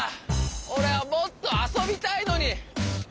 おれはもっとあそびたいのに！